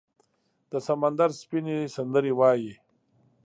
د سمندر سپینې، سندرې وایې